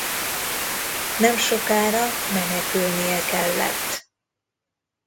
Nemsokára menekülnie kellett.